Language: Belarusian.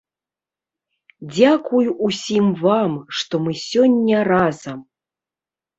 Дзякуй усім вам, што мы сёння разам!